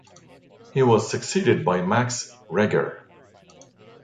He was succeeded by Max Reger.